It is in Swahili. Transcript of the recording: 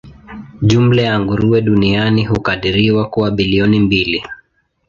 Jumla ya nguruwe duniani hukadiriwa kuwa bilioni mbili.